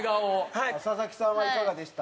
佐々木さんはいかがでした？